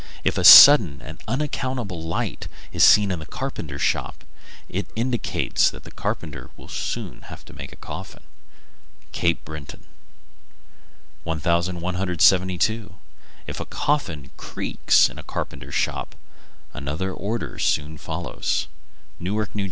If a sudden and unaccountable light is seen in a carpenter's shop, it indicates that the carpenter will soon have to make a coffin. Cape Breton. 1172. If a coffin creaks in a carpenter's shop, another order soon follows. _Newark, N.J.